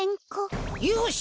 よし！